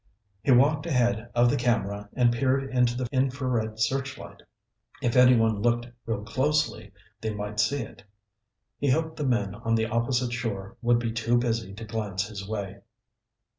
He walked ahead of the camera and peered into the infrared searchlight. If anyone looked real closely, they might see it. He hoped the men on the opposite shore would be too busy to glance his way.